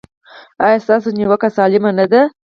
ایا ستاسو نیوکه سالمه نه ده؟